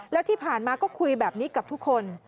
แล้วที่ผ่านมาก็คุยแบบนี้กับทุกคน